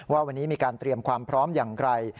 ว่าวันนี้มีการเตรียมความพร้อมอย่างไร